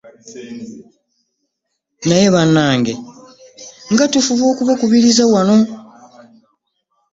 Naye bannange, nga tufuba okubakubiriza wano!